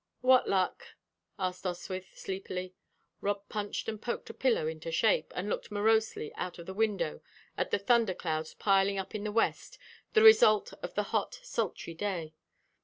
"What luck?" asked Oswyth, sleepily. Rob punched and poked a pillow into shape, and looked morosely out of the window at the thunder clouds piling up in the west, the result of the hot, sultry day.